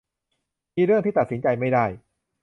มีเรื่องที่ตัดสินใจไม่ได้